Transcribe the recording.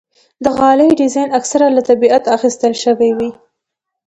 د غالۍ ډیزاین اکثره له طبیعت اخیستل شوی وي.